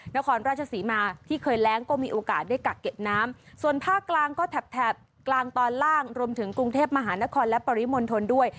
นครราชศรีมาที่เคยแรงก็มีโอกาสได้กักเก็บน้ำส่วนภาคกลางก็แถบแถบกลางตอนล่างรวมถึงกรุงเทพมหานครและปริมณฑลด้วย